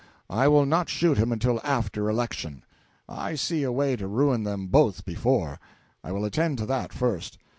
I will not shoot him until after election. I see a way to ruin them both before; I will attend to that first.